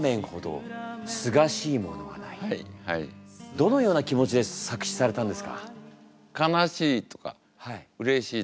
どのような気持ちで作詞されたんですか？